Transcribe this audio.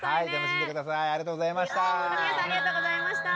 神谷さんありがとうございました。